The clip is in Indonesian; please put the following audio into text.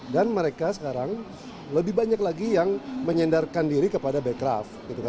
dan mereka sekarang lebih banyak lagi yang menyendarkan diri kepada bekraf